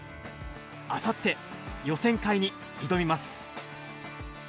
あさって、予選会に挑みます。